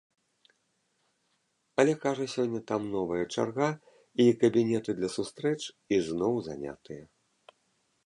Але, кажа, сёння там новая чарга і кабінеты для сустрэч ізноў занятыя.